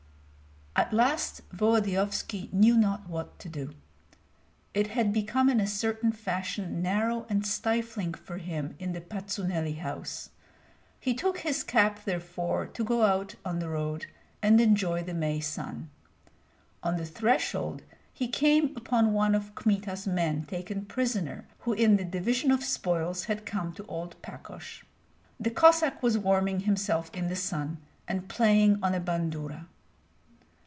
At last Volodyovski knew not what to do. It had become in a certain fashion narrow and stifling for him in the Patsuneli house; he took his cap therefore to go out on the road and enjoy the May sun. On the threshold he came upon one of Kmita's men taken prisoner, who in the division of spoils had come to old Pakosh. The Cossack was warming himself in the sun and playing on a bandura.